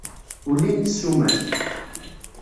Ulint ssumat.